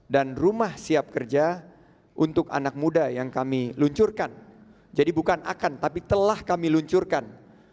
dan rumah siap kerja untuk anak muda yang kami luncurkan jadi bukan akan tapi telah kami luncurkan